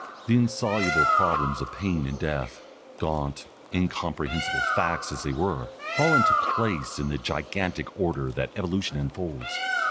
The insoluble problems of pain and death, gaunt, incomprehensible facts as they were, fall into place in the gigantic order that evolution unfolds.